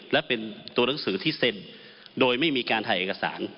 และเป็นตัวหนังสือที่เซ็นโดยไม่มีการถ่ายเอกสาร